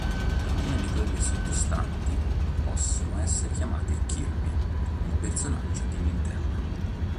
Alcune di quelle sottostanti, possono essere chiamate Kirby, il personaggio di Nintendo.